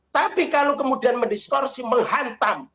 tapi kalau kemudian mendiskursi menghantam